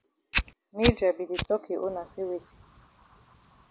Mildred be di tok yi own na say weti?